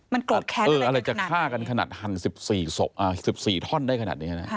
มันโกรธแค้นได้ได้ขนาดนี้เอออะไรจะฆ่ากันขนาดหัน๑๔ท่อนได้ขนาดนี้นะ